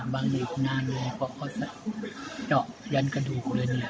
บางเด็กนานเลยเพราะเขาจะเจาะยันกระดูกเลยเนี่ย